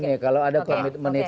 iya kalau ada komitmen itu